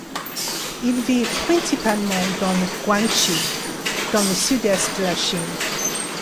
Ils vivent principalement dans le Guangxi, dans le sud-est de la Chine.